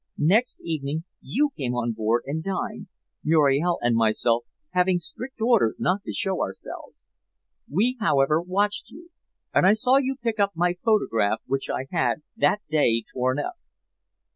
Next evening you came on board and dined, Muriel and myself having strict orders not to show ourselves. We, however, watched you, and I saw you pick up my photograph which I had that day torn up.